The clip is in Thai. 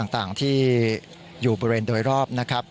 ต่างที่อยู่บริเวณโดยรอบนะครับ